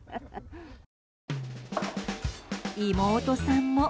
妹さんも。